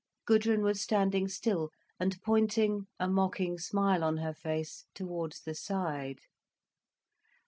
Gudrun was standing still and pointing, a mocking smile on her face, towards the side.